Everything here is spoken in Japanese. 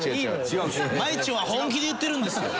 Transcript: まいちゅんは本気で言ってるんですよ。